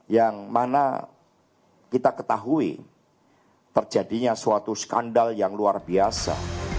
yang mana kita ketahui terjadinya suatu skandal yang luar biasa